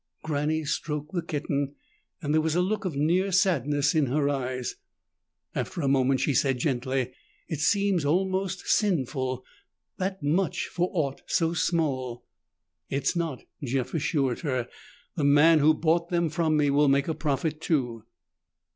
Granny stroked the kitten and there was a look of near sadness in her eyes. After a moment she said gently, "It seems almost sinful, that much for aught so small." "It's not," Jeff assured her. "The man who bought them from me will make a profit, too."